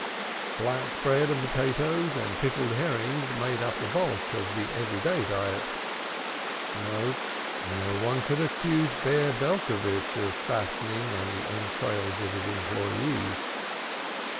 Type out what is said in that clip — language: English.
Black bread and potatoes and pickled herrings made up the bulk of the every day diet No, no one could accuse Bear Belcovitch of fattening on the entrails of his employees.